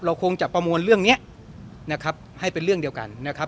คงจะประมวลเรื่องนี้นะครับให้เป็นเรื่องเดียวกันนะครับ